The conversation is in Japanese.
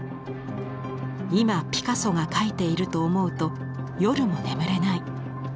今ピカソが描いていると思うと夜も眠れない。